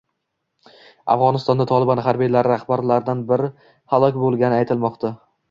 Afg‘onistonda Tolibon harbiylari rahbarlaridan biri halok bo‘lgani aytilmoqdang